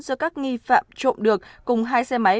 do các nghi phạm trộm được cùng hai xe máy